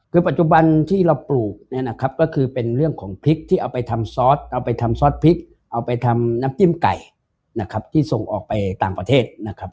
คือปัจจุบันที่เราปลูกเนี่ยนะครับก็คือเป็นเรื่องของพริกที่เอาไปทำซอสเอาไปทำซอสพริกเอาไปทำน้ำจิ้มไก่นะครับที่ส่งออกไปต่างประเทศนะครับ